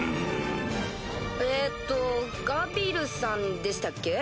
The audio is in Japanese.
えっとガビルさんでしたっけ？